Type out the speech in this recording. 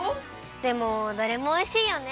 でもどれもおいしいよね。